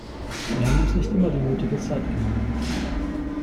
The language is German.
Wir haben uns nicht immer die nötige Zeit genommen.